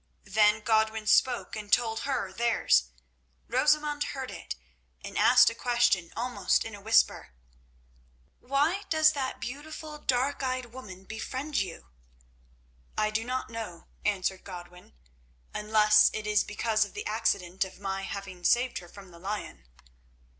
Then Godwin spoke and told her theirs. Rosamund heard it, and asked a question almost in a whisper. "Why does that beautiful dark eyed woman befriend you?" "I do not know," answered Godwin, "unless it is because of the accident of my having saved her from the lion."